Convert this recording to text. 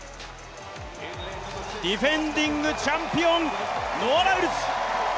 ディフェンディングチャンピオン、ノア・ライルズ。